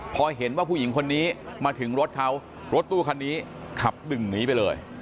พอเห็นว่าผู้หญิงคนนี้มาถึงรถเขารถตู้คันนี้ขับดิ่งหนีไปเลย